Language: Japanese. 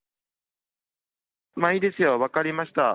ま、いいですよ、分かりました。